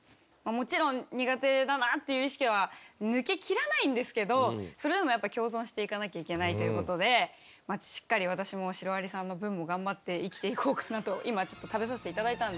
もちろん苦手だなっていう意識は抜けきらないんですけどそれでもやっぱ共存していかなきゃいけないということでしっかり私もシロアリさんの分も頑張って生きていこうかなと今ちょっと食べさせて頂いたんで。